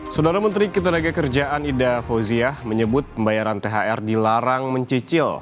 saudara menteri ketenaga kerjaan ida fauziah menyebut pembayaran thr dilarang mencicil